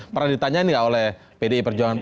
pernah ditanyain nggak oleh pdi perjuangan